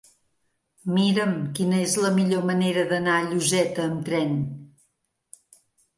Mira'm quina és la millor manera d'anar a Lloseta amb tren.